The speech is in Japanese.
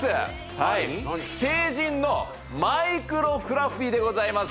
はいテイジンのマイクロフラッフィーでございます